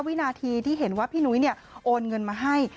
วินาทีที่เห็นว่าพี่นุ้ยโอนเงินมาให้